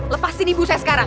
lepasin ibu saya sekarang